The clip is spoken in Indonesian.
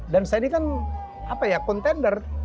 dan saya ini kan apa ya kontender